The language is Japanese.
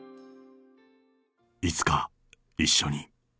いつか一緒に。